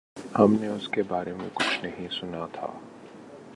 ہم نے اس کے بارے میں کچھ نہیں سنا تھا۔